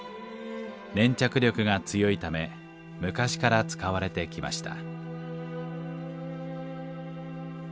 粘着力が強いため昔から使われてきました。